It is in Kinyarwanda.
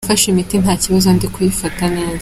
Nafashe imiti nta kibazo ndi kuyifata neza.